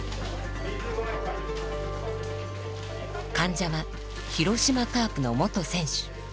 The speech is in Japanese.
患者は広島カープの元選手。